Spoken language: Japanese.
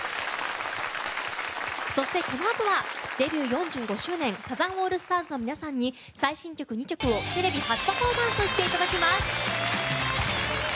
そして、このあとはデビュー４５周年サザンオールスターズの皆さんに最新曲２曲をテレビ初パフォーマンスしていただきます。